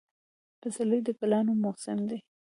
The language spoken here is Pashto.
پسرلی د ګلانو موسم دی